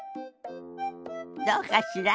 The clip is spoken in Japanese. どうかしら？